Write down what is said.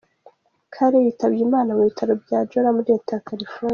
Cale yitabye Imana mu bitaro bya Jolla, muri Leta ya California.